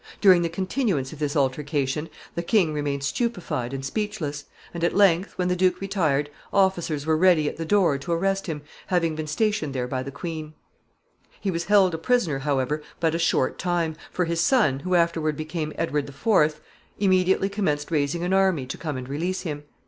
During the continuance of this altercation, the king remained stupefied and speechless, and at length, when the duke retired, officers were ready at the door to arrest him, having been stationed there by the queen. [Sidenote: Released.] He was held a prisoner, however, but a short time, for his son, who afterward became Edward IV., immediately commenced raising an army to come and release him.